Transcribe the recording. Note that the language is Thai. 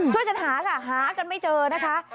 ช่วยกันหาค่ะหากันไม่เจอนะคะ